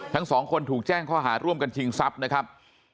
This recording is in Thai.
ทั้งสองคนถูกแจ้งข้อหาร่วมกันชิงทรัพย์นะครับ